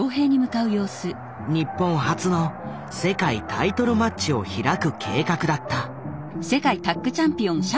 日本初の世界タイトルマッチを開く計画だった。